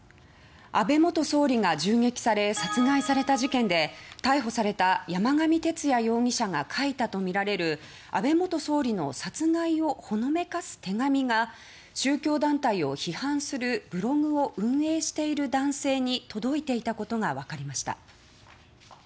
安倍元総理が銃撃され殺害された事件で逮捕された山上徹也容疑者が書いたとみられる安倍元総理の殺害をほのめかす手紙が宗教団体を批判するブログを運営している男性に届いていたことがわかりました。